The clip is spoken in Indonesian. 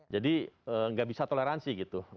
jadi nggak bisa toleransi gitu